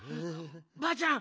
ばあちゃん